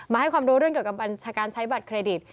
ให้ความรู้เรื่องเกี่ยวกับการใช้บัตรเครดิต